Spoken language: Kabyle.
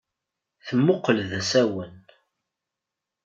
Temmuqqel d asawen.